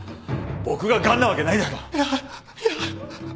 僕が癌なわけないだろ。